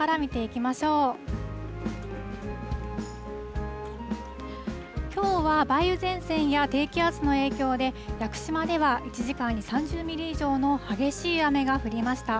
きょうは梅雨前線や低気圧の影響で、屋久島では１時間に３０ミリ以上の激しい雨が降りました。